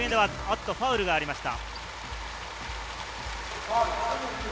ファウルがありました。